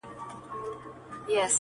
• زه دي هم یمه ملګری ما هم بوزه -